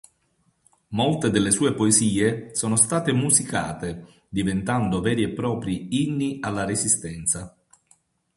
Molte delle sue poesie sono state musicate, diventando veri e propri inni alla resistenza.